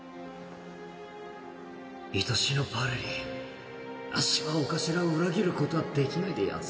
愛しのヴァレリあっしはお頭を裏切ることはできないでやん